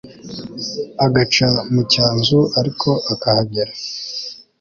agaca mu cyanzu ariko akahagera